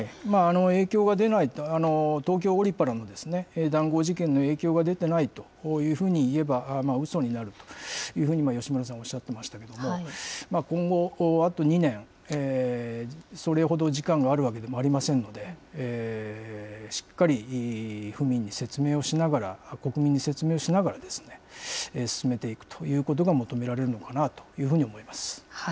影響が出ないと、東京オリパラの談合事件の影響が出てないというふうに言えばうそになるというふうに吉村さん、おっしゃってましたけども、今後、あと２年、それほど時間があるわけでもありませんので、しっかり府民に説明をしながら、国民に説明をしながら、進めていくということが求められるのかなというふうに思います。